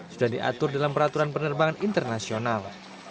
sudah diatur dalam peraturan penerbangan internasional